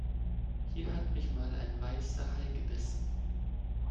Hier hat mich mal ein Weißer Hai gebissen.